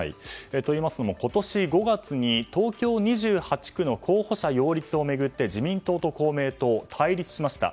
といいますのも今年５月に東京２８区の候補者擁立を巡って自民党と公明党対立しました。